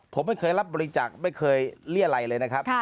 ผมไม่เคยรับบริจักษ์ไม่เคยเรียกอะไรเลยนะครับ